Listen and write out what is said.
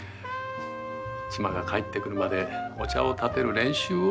妻が帰ってくるまでお茶をたてる練習をしておきましょう。